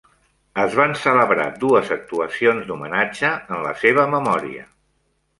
Es van celebrar dues actuacions d"homenatge en la seva memòria.